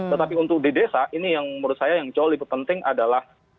tetapi untuk di desa ini yang menurut saya yang jauh lebih penting adalah